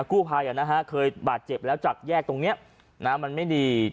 กู้ภัยเคยบาดเจ็บแล้วจากแยกตรงนี้มันไม่ดี